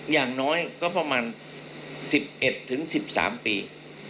อย่างน้อยก็ประมาณ๑๑๑๑๓ปี